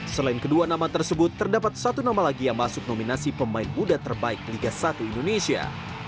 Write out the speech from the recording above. selain kedua nama tersebut terdapat satu nama lagi yang masuk nominasi pemain muda terbaik liga satu indonesia